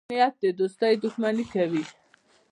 کوږ نیت د دوستۍ دښمني کوي